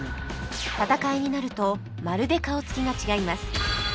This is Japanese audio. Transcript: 戦いになるとまるで顔つきが違います